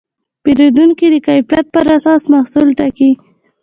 پیرودونکي د کیفیت پر اساس محصول ټاکي.